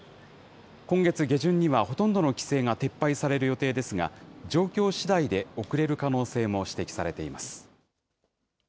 今月下旬にはほとんどの規制が撤廃される予定ですが、状況しだいで遅れる可能性も指摘されています。